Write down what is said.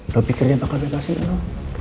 lo pikir dia bakal bebasin lo